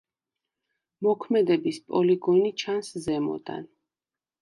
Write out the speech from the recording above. მოქმედების პოლიგონი ჩანს ზემოდან.